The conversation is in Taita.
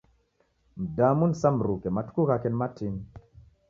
Mdamu ni sa mruke, matuku ghake ni matini.